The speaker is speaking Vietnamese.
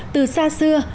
từ xa xưa